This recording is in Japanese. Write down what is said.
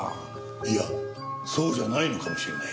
いやそうじゃないのかもしれない。